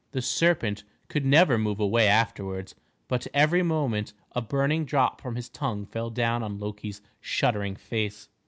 The serpent could never move away afterwards; but every moment a burning drop from his tongue fell down on Loki's shuddering face.